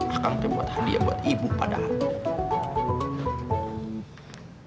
akang udah buat hadiah buat ibu padahal